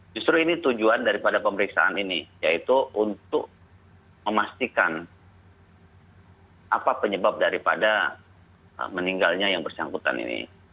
justru ini tujuan daripada pemeriksaan ini yaitu untuk memastikan apa penyebab daripada meninggalnya yang bersangkutan ini